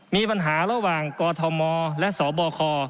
มีปัญหาระหว่างกอทมและสบค